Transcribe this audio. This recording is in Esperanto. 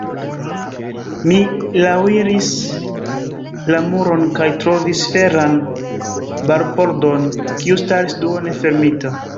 Mi laŭiris la muron kaj trovis feran barpordon, kiu staris duone fermita.